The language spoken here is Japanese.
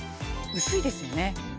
薄いですよね。